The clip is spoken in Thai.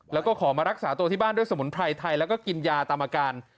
แล้วก็ขอมารักษาตัวที่บ้านด้วยสมุนไพรไทยแล้วก็กินยาตามอาการ